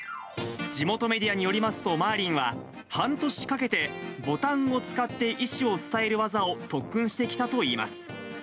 地元メディアによりますと、マーリンは、半年かけてボタンを使って意思を伝える技を特訓してきたといいます。